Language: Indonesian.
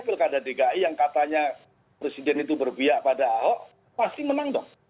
pilkada dki yang katanya presiden itu berbiak pada ahok pasti menang dong